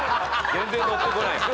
全然のってこない。